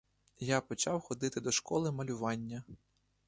Я почав ходити до школи малювання.